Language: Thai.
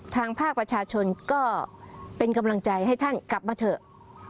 ทางภาคประชาชนก็เป็นกำลังใจให้ท่านกลับมาเถอะ